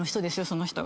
その人と。